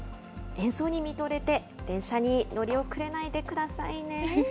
演奏に見とれて、電車に乗り遅れないでくださいね。